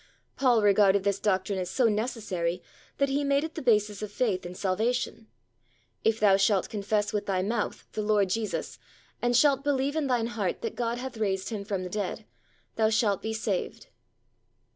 Paul regarded this doctrine as so necessary, that he made it the basis of faith and salvation: "If thou shalt confess with thy mouth the Lord Jesus, and shalt believe in thine heart that God hath raised him from the dead, thou shalt be saved."